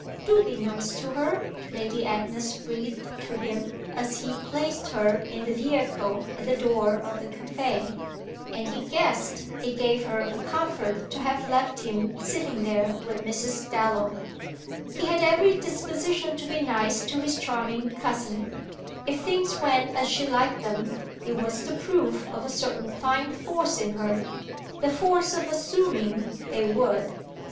"Do be nice to her," Lady Agnes breathed to him as he placed her in the vehicle at the door of the café; and he guessed it gave her a comfort to have left him sitting there with Mrs. Dallow. He had every disposition to be nice to his charming cousin; if things went as she liked them it was the proof of a certain fine force in her the force of assuming they would.